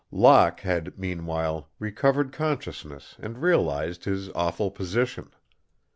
Locke had, meanwhile, recovered consciousness and realized his awful position.